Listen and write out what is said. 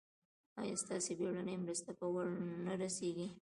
ایا ستاسو بیړنۍ مرسته به ور نه رسیږي؟